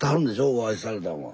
お会いされたんは。